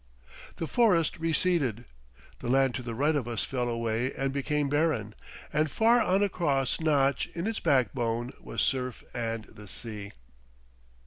The forest receded. The land to the right of us fell away and became barren, and far on across notch in its backbone was surf and the sea.